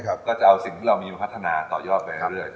ก็จะเอาสิ่งที่เรามีพัฒนาต่อยอดไปเรื่อย